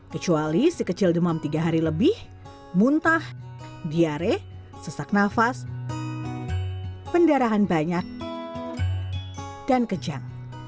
kecuali si kecil demam tiga hari lebih muntah diare sesak nafas pendarahan banyak dan kejang